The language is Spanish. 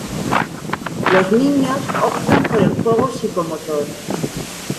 Los niños optan por el juego psicomotor.